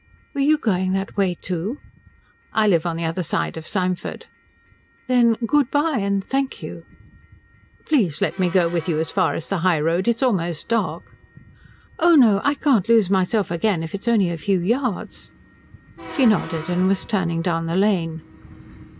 "Were you going that way too?" "I live on the other side of Symford." "Then good bye and thank you." "Please let me go with you as far as the high road it's almost dark." "Oh no I can't lose myself again if it's only a few yards." She nodded, and was turning down the lane.